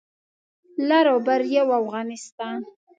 لر او بر یو افغانستان